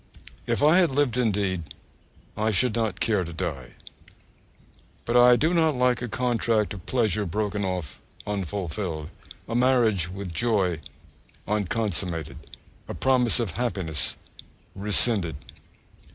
If I had lived indeed, I should not care to die. But I do not like a contract of pleasure broken off unfulfilled, a marriage with joy unconsummated, a promise of happiness rescinded.